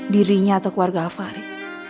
dirinya atau keluarga afari